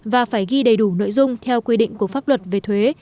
và phải ghi đầy đủ nội dung theo quy định của pháp luật về thuế